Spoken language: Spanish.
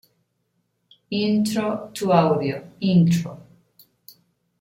Intro to Audio, Intro.